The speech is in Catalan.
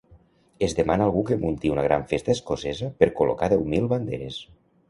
Es demana algú que munti una gran festa escocesa per col•locar deu mil banderes.